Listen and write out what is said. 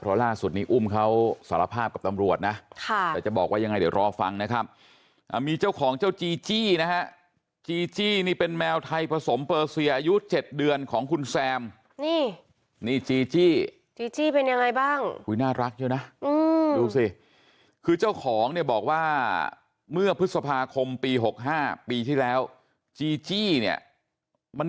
เพราะร่าสุดนี้อุ้มเขาสารภาพกับตำรวจนะแต่จะบอกว่ายังไงเดี๋ยวรอฟังนะครับ